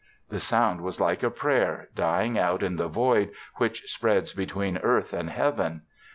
The sound was like a prayer, dying out in the void which spreads between earth and Heaven.